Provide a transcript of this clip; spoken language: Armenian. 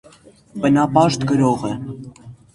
Բնապաշտ գրող է։